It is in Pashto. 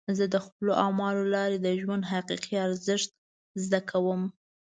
زه د خپلو اعمالو له لارې د ژوند حقیقي ارزښت زده کوم.